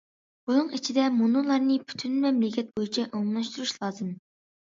بۇنىڭ ئىچىدە مۇنۇلارنى پۈتۈن مەملىكەت بويىچە ئومۇملاشتۇرۇش لازىم.